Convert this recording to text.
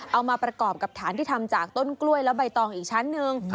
เอามาประกอบกับฐานที่ทำจากต้นกล้วยและใบตองอีกชั้นหนึ่ง